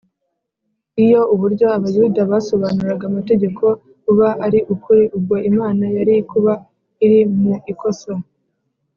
Iyo uburyo Abayuda basobanuraga amategeko buba ari ukuri, ubwo Imana yari kuba iri mu ikosa